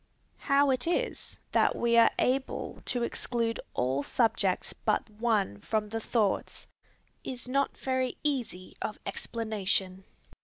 How it is that we are able to exclude all subjects but one from the thoughts, is not very easy of explanation.